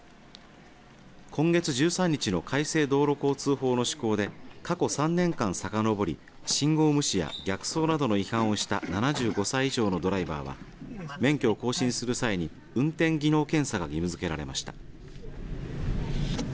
今月１３日の改正道路交通法の施行で過去３年間さかのぼり信号無視や逆走などの違反をした７５歳以上のドライバーは免許を更新する際に運転技能検査が義務づけられました。